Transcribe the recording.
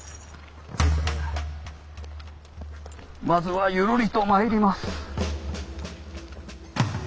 まずはゆるりとまいります。